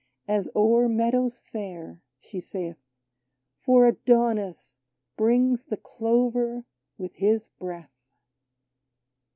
As o'er meadows fair ;" she saith, " For Adonis brings the clover With his breath